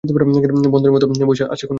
বান্দরের মতা বইসা, আছো কেনো?